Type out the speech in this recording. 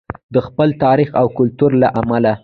د خپل تاریخ او کلتور له امله.